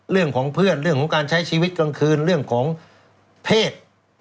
เรื่องของเพื่อนเรื่องของการใช้ชีวิตกลางคืนเรื่องของเพศ